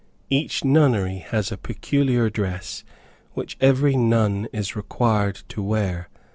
Each nunnery has a peculiar dress which every nun is required to wear.